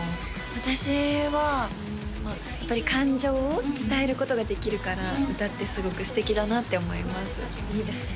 私はやっぱり感情を伝えることができるから歌ってすごく素敵だなって思いますいいですね